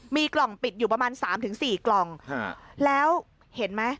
มีกล่องปิดอยู่ประมาณ๓๔กล่องแล้วเห็นมั้ย